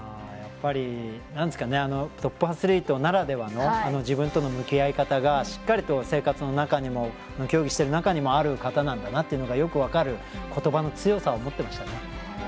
やっぱりトップアスリートならではの自分との向き合い方っていうのがしっかりと生活の中にも競技している中にもあるんだなというのがよく分かることばの強さを持ってましたね。